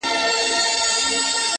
درته ښېرا كومه-